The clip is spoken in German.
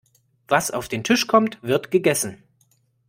Was auf den Tisch kommt, wird gegessen.